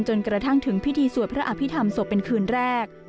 จนกระทั่งถึงพิธีสวดพระอภิษฐรรมศพเป็นคืนแรก